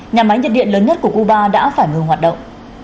nhà máy nhiệt điện lớn nhất của cuba đã phải ngừng hoạt động